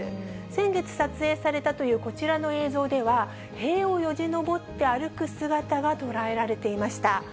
先月撮影されたというこちらの映像では、塀をよじ登って歩く姿が捉えられていました。